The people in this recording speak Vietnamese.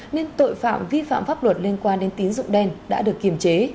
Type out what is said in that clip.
nên tội phạm vi phạm pháp luật liên quan đến tín dụng đen đã được kiềm chế